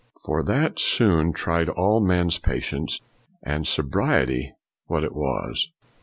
For that soon tried all men's patience and sobriety what it was.